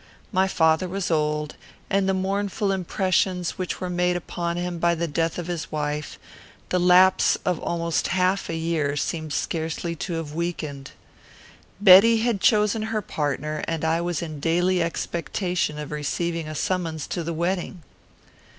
My father was old, and the mournful impressions which were made upon him by the death of his wife, the lapse of almost half a year seemed scarcely to have weakened. Betty had chosen her partner, and I was in daily expectation of receiving a summons to the wedding.